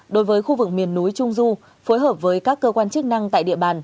đối với khu vực miền núi trung du phối hợp với các cơ quan chức năng tại địa bàn